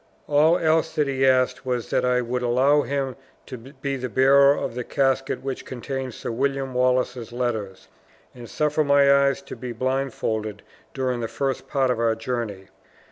All else that he asked was, that I would allow him to be the bearer of the casket which contained Sir William Wallace's letters, and suffer my eyes to be blindfolded during the first part of our journey.